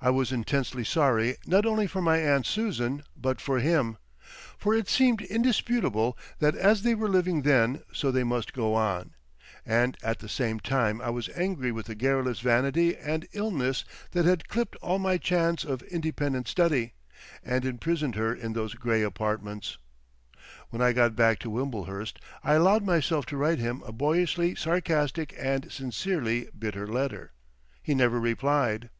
I was intensely sorry not only for my aunt Susan but for him—for it seemed indisputable that as they were living then so they must go on—and at the same time I was angry with the garrulous vanity and illness that had elipped all my chance of independent study, and imprisoned her in those grey apartments. When I got back to Wimblehurst I allowed myself to write him a boyishly sarcastic and sincerely bitter letter. He never replied.